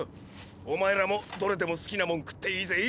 おまえらもどれでも好きなもん食っていいぜ。